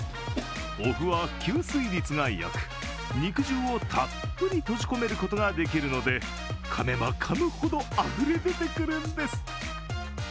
おふは吸水率がよく、肉汁をたっぷり閉じ込めることができるのでかめばかむほどあふれ出てくるんです。